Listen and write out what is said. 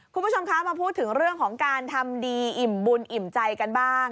คุณผู้ชมคะมาพูดถึงเรื่องของการทำดีอิ่มบุญอิ่มใจกันบ้าง